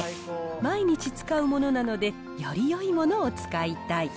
毎日使うものなので、よりよいものを使いたい。